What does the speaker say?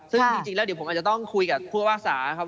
ซึ่งจริงแล้วเดี๋ยวผมอาจจะต้องคุยกับผู้ว่าสาครับ